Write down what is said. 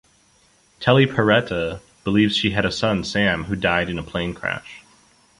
Telly Paretta believes she had a son, Sam, who died in a plane crash.